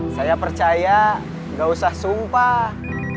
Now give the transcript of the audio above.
saya percaya gak usah sumpah